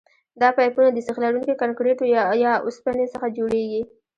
دا پایپونه د سیخ لرونکي کانکریټو یا اوسپنې څخه جوړیږي